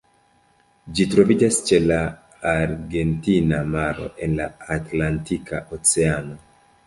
Ĝi troviĝas ĉe la Argentina Maro en la Atlantika Oceano.